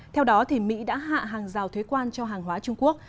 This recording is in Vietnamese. theo đó mỹ đã hạ hàng rào thuế quan cho hàng hóa trung quốc